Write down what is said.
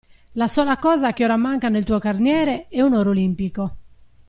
La sola cosa che ora manca nel tuo carniere, è un oro Olimpico.